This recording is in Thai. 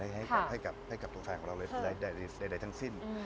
เกลียดให้กับตัวแฟนของเราใดทั้งสิ้น